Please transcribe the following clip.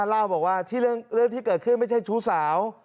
เล่าบอกว่าที่เรื่องที่เกิดขึ้นไม่ใช่ชู้สาว